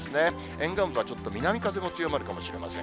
沿岸部はちょっと南風も強まるかもしれません。